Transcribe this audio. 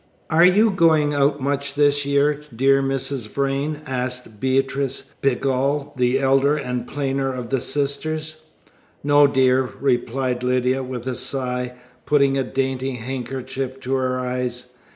"Are you going out much this year, dear Mrs. Vrain?" asked Beatrice Pegall, the elder and plainer of the sisters. "No, dear," replied Lydia, with a sigh, putting a dainty handkerchief to her eyes.